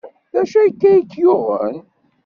D acu akka i k-yuɣen?